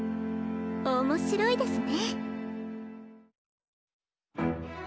面白いですね。